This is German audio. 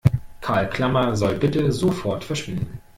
Karl Klammer soll bitte sofort verschwinden!